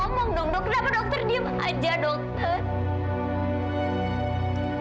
kenapa dokter diam aja dokter